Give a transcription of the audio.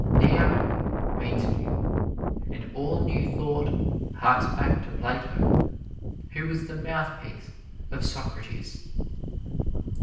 "Neo" means new, and all New Thought harks back to Plato, who was the mouthpiece of Socrates.